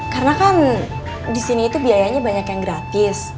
karena kan disini itu biayanya banyak yang gratis